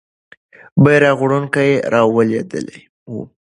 بیرغ وړونکی رالوېدلی وو.